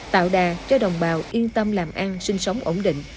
tạo đà cho đồng bào yên tâm làm ăn sinh sống ổn định